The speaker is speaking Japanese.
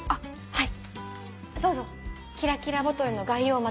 はい。